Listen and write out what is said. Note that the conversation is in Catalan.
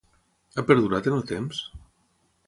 Ha perdurat en el temps?